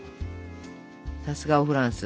さすがおフランス。